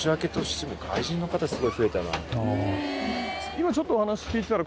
今ちょっとお話聞いてたら。